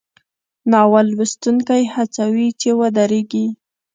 ناول لوستونکی هڅوي چې ودریږي.